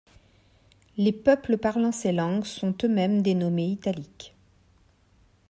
Les peuples parlant ces langues sont eux-mêmes dénommés Italiques.